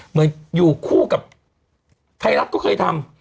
เหมือนอยู่คู่กับไทยรัฐก็เคยทำ